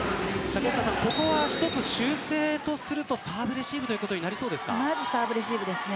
ここは１つ修正とするとサーブレシーブということにサーブレシーブですね。